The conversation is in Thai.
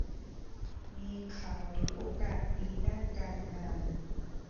มีข่าวหรือโอกาสดีด้านการงาน